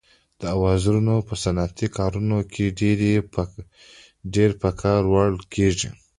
دا اوزارونه په صنعتي کارونو کې ډېر په کار وړل کېږي.